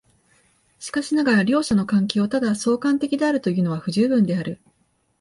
しかしながら両者の関係をただ相関的であるというのは不十分である。